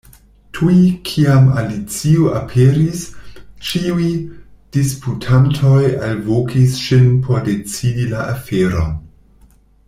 Tuj kiam Alicio aperis, ĉiuj disputantoj alvokis ŝin por decidi la aferon.